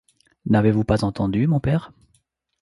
N'avez-vous pas entendu, mon père ?